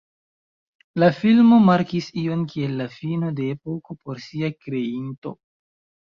La filmo markis ion kiel la fino de epoko por sia kreinto.